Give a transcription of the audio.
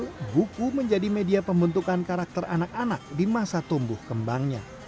lalu buku menjadi media pembentukan karakter anak anak di masa tumbuh kembangnya